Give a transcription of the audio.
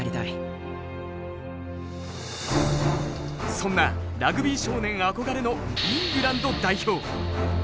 そんなラグビー少年憧れのイングランド代表！